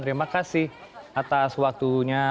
terima kasih atas waktunya